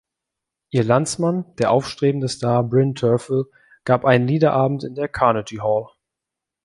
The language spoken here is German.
Ihr Landsmann, der aufstrebende Star Bryn Terfel, gab einen Liederabend in der Carnegie Hall.